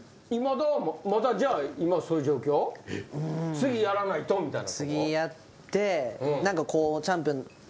次やらないとみたいな。